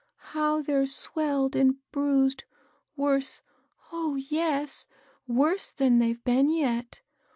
" How they're swelled and bruised, worse — oh, yes I — worse than they've been yet.